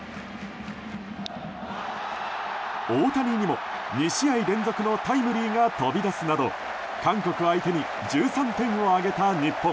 大谷にも２試合連続のタイムリーが飛び出すなど韓国相手に１３点を挙げた日本。